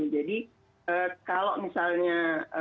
jadi kalau misalnya